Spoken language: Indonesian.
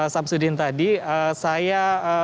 sabzudin tadi saya